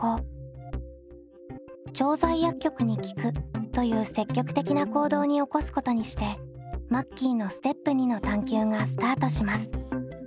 調剤薬局に聞くという積極的な行動に起こすことにしてマッキーのステップ②の探究がスタートします。